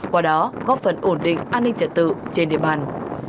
qua đó góp phần ổn định an ninh trật tự trên địa bàn